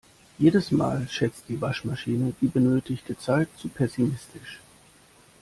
Jedes Mal schätzt die Waschmaschine die benötigte Zeit zu pessimistisch.